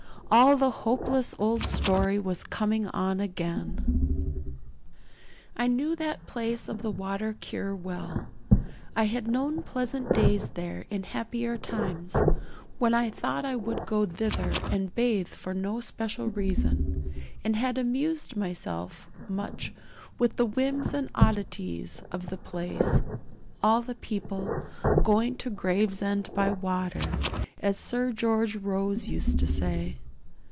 _ all the hopeless old story was coming on again. I knew that palace of the water cure well. I had known pleasant days there in happier times, when I thought I would go thither and bathe for no special reason, and had amused myself much with the whims and oddities of the place; all the people 'going to Gravesend by water,' as Sir George Rose used to say.